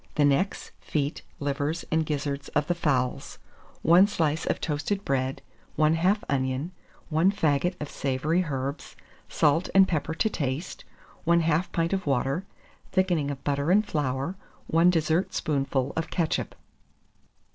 The necks, feet, livers, and gizzards of the fowls, 1 slice of toasted bread, 1/2 onion, 1 faggot of savoury herbs, salt and pepper to taste, 1/2 pint of water, thickening of butter and flour, 1 dessertspoonful of ketchup.